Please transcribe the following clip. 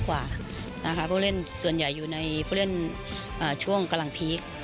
เพราะส่วนใหญ่อยู่ในช่วงการ์เรงพีค